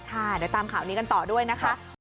ค่ะเดี๋ยวตามข่าวนี้กันต่อด้วยนะคะ